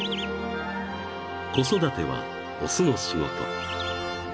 ［子育ては雄の仕事］